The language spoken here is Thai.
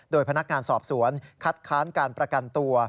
โดยพนักงานสอบสวนคัดค้านการประกันตัว